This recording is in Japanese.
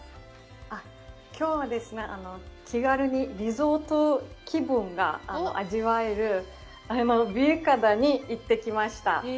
きょうはですね、気軽にリゾート気分が味わえるビュユックアダに行ってきました。